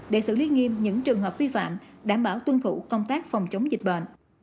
để xử lý nghiêm những trường hợp vi phạm đảm bảo tuân thủ công tác phòng chống dịch bệnh